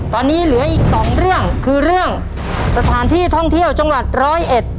ตอนนี้เหลืออีกสองเรื่องคือเรื่องสถานที่ท่องเที่ยวจังหวัดร้อยเอ็ด